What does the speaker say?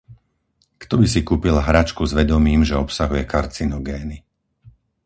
Kto by si kúpil hračku s vedomím, že obsahuje karcinogény?